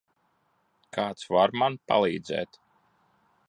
Kāds var man palīdzēt?